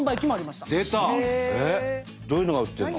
どういうのが売ってんの？